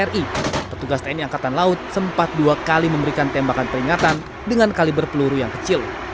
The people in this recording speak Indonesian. ri petugas tni angkatan laut sempat dua kali memberikan tembakan peringatan dengan kali berpeluru yang kecil